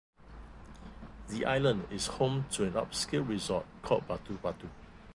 The island is home to an upscale resort called Batu Batu.